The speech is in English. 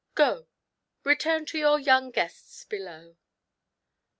Go, return to your young guests below."